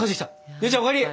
姉ちゃんお帰り！